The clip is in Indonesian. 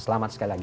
selamat sekali lagi